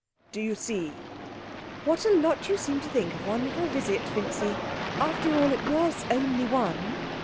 Do you see?' 'What a lot you seem to think of one little visit, Vincy! After all, it was only one.'